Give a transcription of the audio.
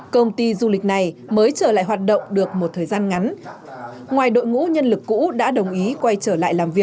công ty du lịch này mới trở lại hoạt động được một thời gian ngắn ngoài đội ngũ nhân lực cũ đã đồng ý quay trở lại làm việc